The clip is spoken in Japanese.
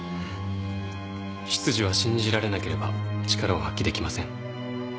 執事は信じられなければ力を発揮できません。